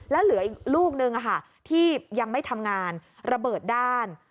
แล้วเหลืออีกลูกนึงที่ยังไม่ทำงานระเบิดด้าน